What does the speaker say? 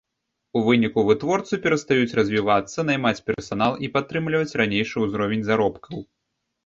У выніку вытворцы перастаюць развівацца, наймаць персанал і падтрымліваць ранейшы ўзровень заробкаў.